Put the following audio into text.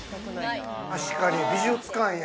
確かに美術館や。